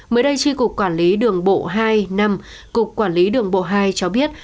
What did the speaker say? mới đây tri cục quản lý đường bộ hai năm cục quản lý đường bộ hai cho biết